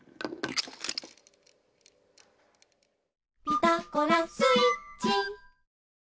「ピタゴラスイッチ」